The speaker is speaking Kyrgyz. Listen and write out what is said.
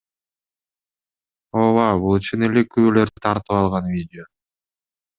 Ооба, бул чын эле күбөлөр тартып алган видео.